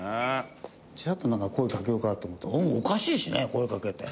ちらっと声かけようかなと思ったけどおかしいしね声かけて。